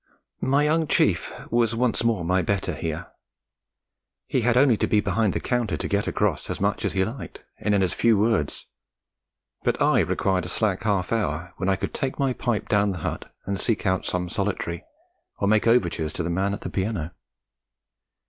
My young chief was once more my better here; he had only to be behind the counter to 'get across' as much as he liked, and in as few words. But I required a slack half hour when I could take my pipe down the hut and seek out some solitary, or make overtures to the man at the piano.